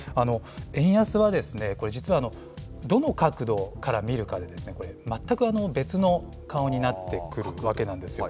円安はこれ、実はどの角度から見るかで、全く別の顔になってくるわけなんです。